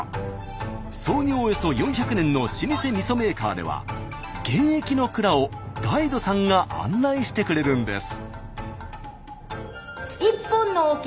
創業およそ４００年の老舗みそメーカーでは現役の蔵をガイドさんが案内してくれるんです。